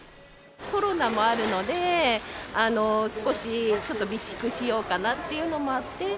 コロナもあるので、少しちょっと備蓄しようかなっていうのもあって。